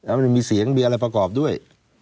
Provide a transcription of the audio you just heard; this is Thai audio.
มันมีเสียงมีอะไรประกอบด้วย